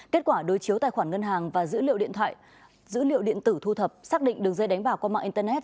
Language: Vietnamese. kết quả đối chiếu tài khoản ngân hàng và dữ liệu điện tử thu thập xác định đường dây đánh bạc qua mạng internet